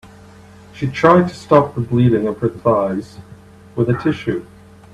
She tried to stop the bleeding of her thighs with a tissue.